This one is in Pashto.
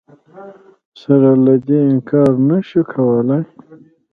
سره له دې انکار نه شو کولای